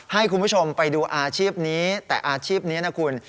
ให้คุณผู้ชมไปดูอาชีพนี้แต่อาชีพนี้นะคุณ